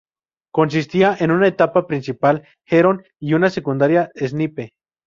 Consistía en una etapa principal Heron y una secundaria Snipe.